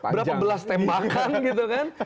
berapa belas tembakan gitu kan